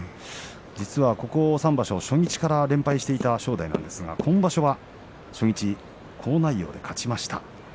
実はここ３場所初日から連敗していた正代なんですが今場所は初日好内容で勝ちました。